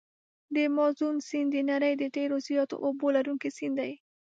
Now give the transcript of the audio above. د مازون سیند د نړۍ د ډېر زیاتو اوبو لرونکي سیند دی.